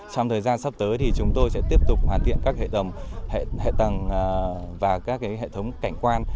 trong thời gian sắp tới thì chúng tôi sẽ tiếp tục hoàn thiện các hệ đồng hệ tầng và các hệ thống cảnh quan